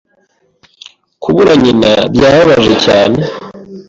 Kubura nyina byababaje cyane.